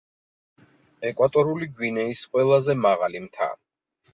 ეკვატორული გვინეის ყველაზე მაღალი მთა.